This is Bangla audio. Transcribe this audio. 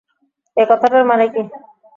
এ কথাটার মানে কী?